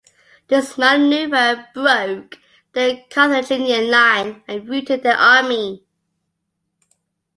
This manoeuvre broke the Carthaginian line and routed their army.